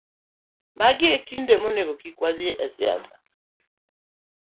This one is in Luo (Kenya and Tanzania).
Magi e kinde monego kik wadhi e siasa